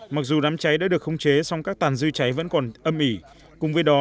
mặc dù đám cháy đã được khống chế song các tàn dư cháy vẫn còn âm ỉ cùng với đó